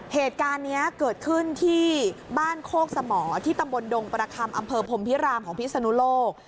เหตุการณ์นี้เกิดขึ้นที่บ้านโคกสมอที่ตำบลดงประคำอำเภอพรมพิรามของพิศนุโลก